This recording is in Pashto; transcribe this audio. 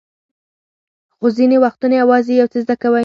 خو ځینې وختونه یوازې یو څه زده کوئ.